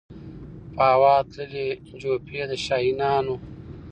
په هوا تللې جوپې د شاهینانو